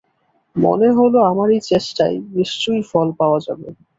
মনে হল, আমার এই চেষ্টায় নিশ্চয়ই ফল পাওয়া যাবে।